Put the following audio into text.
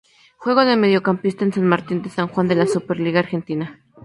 Juega de Mediocampista en San Martín de San Juan de la Superliga Argentina.